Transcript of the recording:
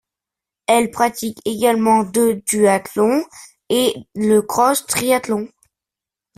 Elle pratique également de duathlon et le cross triathlon.